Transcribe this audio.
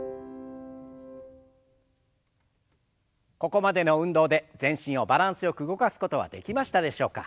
ここまでの運動で全身をバランスよく動かすことはできましたでしょうか。